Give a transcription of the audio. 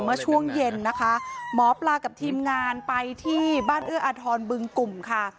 เมื่อช่วงเย็นนะคะหมอปลากับทีมงานไปที่บ้านเอื้ออาทรบึงกลุ่มค่ะ